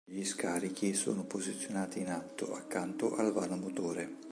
Gli scarichi sono posizionati in alto, accanto al vano motore.